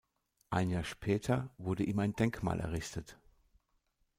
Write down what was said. Ein Jahr später wurde ihm ein Denkmal errichtet.